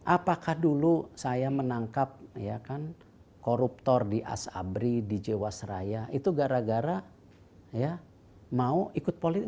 apakah dulu saya menangkap ya kan koruptor di asabri di jewasraya itu gara gara ya mau ikut politik